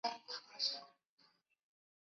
其实是用猜的